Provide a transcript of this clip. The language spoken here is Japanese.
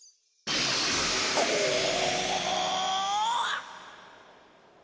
おお。